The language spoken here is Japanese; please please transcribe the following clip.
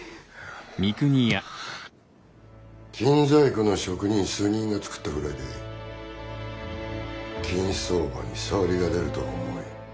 金細工の職人数人が造ったぐらいで金相場に障りが出るとは思えん。